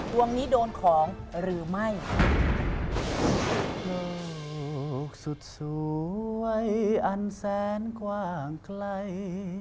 ดวงนี้โดนของหรือไม่